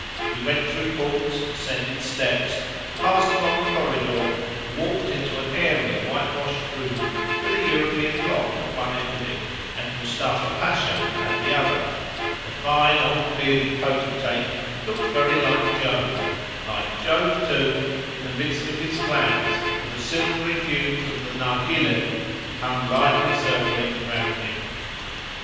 We went through courts, ascended steps, passed along a corridor, and walked into an airy, whitewashed room, with an European clock at one end of it, and Moostapha Pasha at the other; the fine, old, bearded potentate looked very like Jove—like Jove, too, in the midst of his clouds, for the silvery fumes of the narghile hung lightly circling round him.